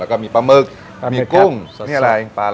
แล้วก็มีปลาหมึกมีกุ้งนี่อะไรปลา